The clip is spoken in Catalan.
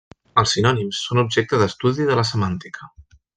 Els sinònims són objecte d'estudi de la semàntica.